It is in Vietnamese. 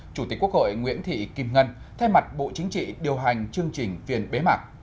chủ tịch quốc hội nguyễn thị kim ngân thay mặt bộ chính trị điều hành chương trình phiên bế mạc